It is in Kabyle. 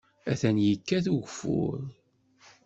Atan yekkat ugeffur.